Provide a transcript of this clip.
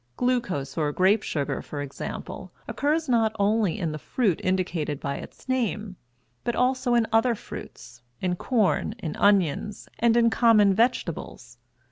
Glucose or grape sugar, for example, occurs not only in the fruit indicated by its name, but also in other fruits, in corn, in onions, and in the common vegetables.